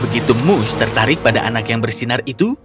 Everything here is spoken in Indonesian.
begitu moose tertarik pada anak yang bersinar itu